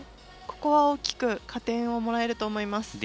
ここは、大きく加点をもらえると思います。